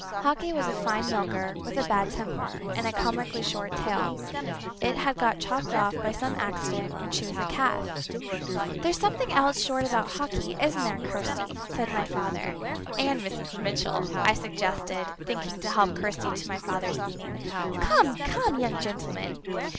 Hawkie was a fine milker, with a bad temper, and a comically short tail. It had got chopped off by some accident when she was a calf. "There's something else short about Hawkie isn't there, Kirsty?" said my father. "And Mrs. Mitchell," I suggested, thinking to help Kirsty to my father's meaning. "Come, come, young gentleman!